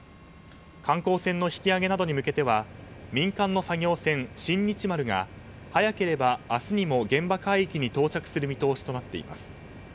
観光船の引き上げなどに向けては民間の作業船「新日丸」が早ければ明日にも現場海域に到着する見通しとなっています。